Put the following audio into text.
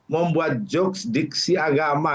membuat jokes diksi agama